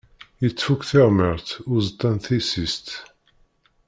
Yeṭṭef akk tiɣmert uẓeṭṭa n tissist.